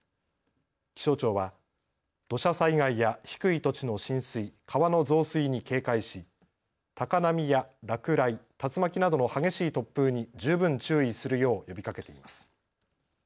気象庁は土砂災害や低い土地の浸水川の増水に警戒し高波や落雷竜巻などの激しい突風に十分注意するよう呼びかけています。